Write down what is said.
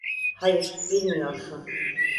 Hayır, bilmiyorsun.